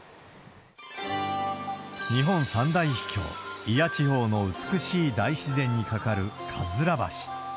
日本三大秘境、祖谷地方の美しい大自然に架かるかずら橋。